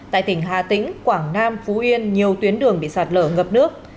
tại tỉnh hà tĩnh quảng nam phú yên nhiều tuyến đường bị sạt lở ngập nước